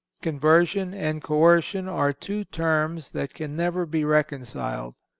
Conversion and coercion are two terms that can never be reconciled.